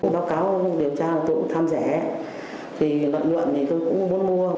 báo cáo điều tra tôi cũng tham rẻ lợi nhuận tôi cũng muốn mua